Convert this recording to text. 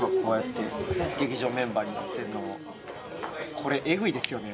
これエグいですよね？